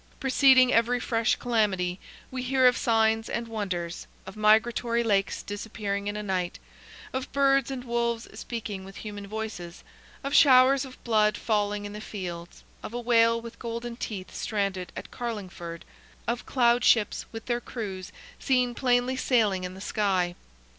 Preceding every fresh calamity, we hear of signs and wonders, of migratory lakes disappearing in a night, of birds and wolves speaking with human voices, of showers of blood falling in the fields, of a whale with golden teeth stranded at Carlingford, of cloud ships, with their crews, seen plainly sailing in the sky.